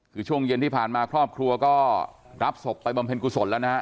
คือช่วงเย็นที่ผ่านมาครอบครัวก็รับศพไปบำเพ็ญกุศลแล้วนะฮะ